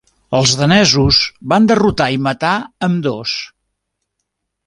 Els danesos van derrotar i matar ambdós.